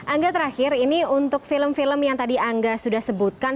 angga terakhir ini untuk film film yang tadi angga sudah sebutkan